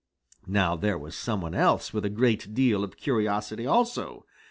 Now there was some one else with a great deal of curiosity also.